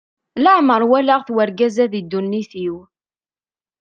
Leɛmeṛ walaɣ-t urgaz-a di ddunit-iw.